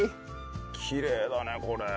きれいだねこれ。